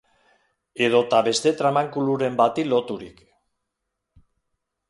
Edota beste tramankuluren bati loturik.